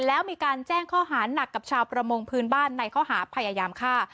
แล้วมีการแจ้งข้อหาหนักกับชาวประมงพื้นบ้านในข้อหาพยายามฆ่า